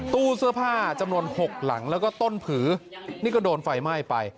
ตู้เสื้อผ้าจำนวน๖หลังแล้วก็ต้นผือนี่ก็โดนไฟไหม้ไป